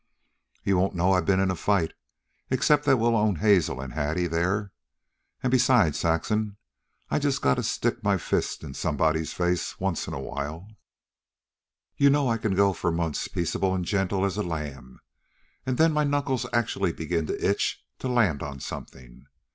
"You won't know I've been in a fight, except that we'll own Hazel an' Hattie there. An' besides, Saxon, I just gotta stick my fist in somebody's face once in a while. You know I can go for months peaceable an' gentle as a lamb, an' then my knuckles actually begin to itch to land on something.